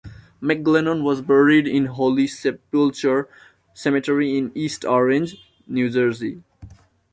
McGlennon was buried in Holy Sepulchre Cemetery in East Orange, New Jersey.